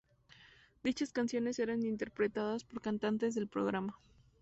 Dichas canciones eran interpretadas por cantantes del programa.